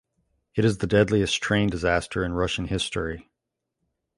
It is the deadliest train disaster in Russian history.